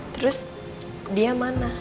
terus dia mana